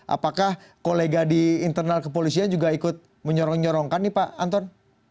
apakah kolega di internal kepolisian juga ikut menyorong nyorongkan nih pak anton